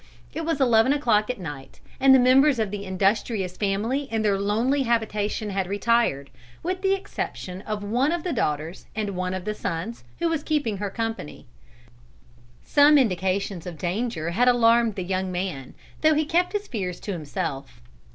"It was eleven o'clock at night, and the members of the industrious family in their lonely habitation had retired, with the exception of one of the daughters and one of the sons who was keeping her company. Some indications of danger had alarmed the young man, though he kept his fears to himself.